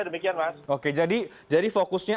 demikian mas oke jadi fokusnya